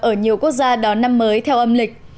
ở nhiều quốc gia đón năm mới theo âm lịch